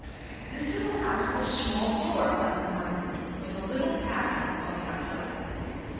This lit tle house had a small door cut in one end, with a little padlock on the out side.